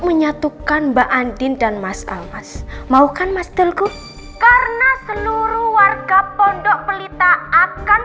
menyatukan mbak andin dan mas almas maukan mas telkup karena seluruh warga pondok pelita akan